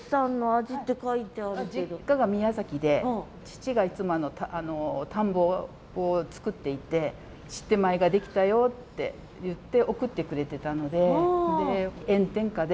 実家が宮崎で父がいつも田んぼを作っていてシッテ米ができたよっていって送ってくれてたので。